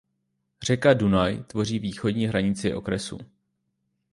Řeka Dunaj tvoří východní hranici okresu.